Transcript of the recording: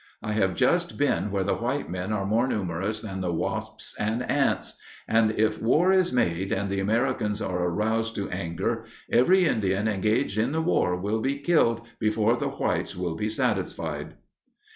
I have just been where the white men are more numerous than the wasps and ants; and if war is made and the Americans are aroused to anger, every Indian engaged in the war will be killed before the whites will be satisfied."